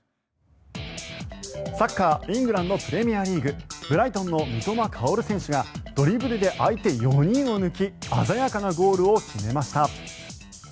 サッカーイングランド・プレミアリーグブライトンの三笘薫選手がドリブルで相手４人を抜き鮮やかなゴールを決めました。